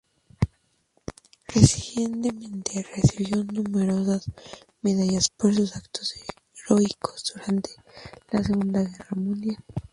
Recientemente recibió numerosas medallas por sus actos heroicos durante la Segunda Guerra Mundial.